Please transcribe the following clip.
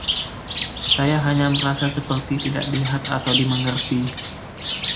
Saya hanya merasa seperti tidak dilihat atau dimengerti.